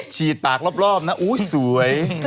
ฉีดปากรอบนะอุ๊ยสวย